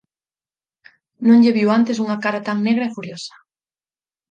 Non lle viu antes unha cara tan negra e furiosa.